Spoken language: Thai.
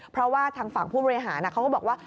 เพราะว่าทางฝั่งผู้บริหารเขาก็บอกว่า